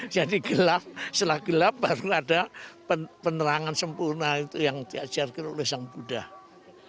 jadi gelap setelah gelap baru ada penerangan sempurna itu yang diajarkan oleh sang buddha